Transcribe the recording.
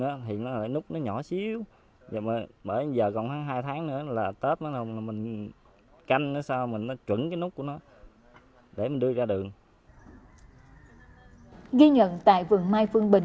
ghi nhận tại vườn mai phương bình